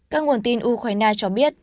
các nguồn tin ukraine cho biết